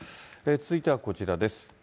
続いてはこちらです。